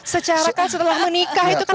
secara setelah menikah itu kan pasti